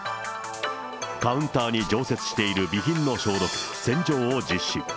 カウンターに常設している備品の消毒、洗浄を実施。